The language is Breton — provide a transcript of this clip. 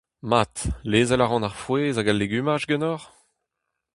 Mat, lezel a ran ar frouezh hag al legumaj ganeoc'h ?